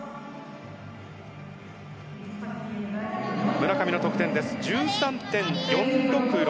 村上の得点です。１３．４６６。